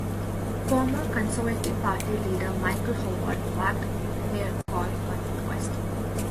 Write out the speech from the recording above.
Former Conservative party leader Michael Howard backed their call for an inquest.